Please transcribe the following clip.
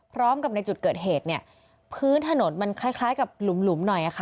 พร้อมกับในจุดเกิดเหตุเนี่ยพื้นถนนมันคล้ายกับหลุมหน่อยค่ะ